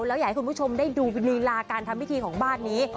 แล้วอยากให้คุณผู้ชมได้ดูลีลาการทำพิธีของบ้านนี้